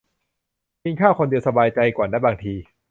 กินข้าวคนเดียวสบายใจกว่านะ บางที